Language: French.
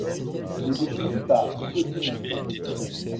Elle est détenue par Peabody Energy.